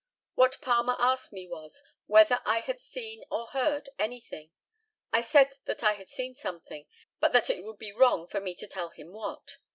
What Palmer asked me was, "whether I had seen or heard anything?" I said that I had seen something, but that it would be wrong for me to tell him what.